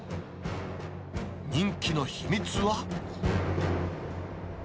人気の秘密は。